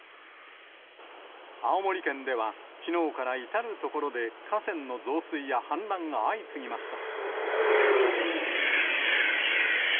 青森県では、きのうから至る所で河川の増水や氾濫が相次ぎました。